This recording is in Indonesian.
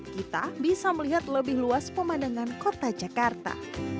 kita bisa melihat lebih luas pemandangan kota jakarta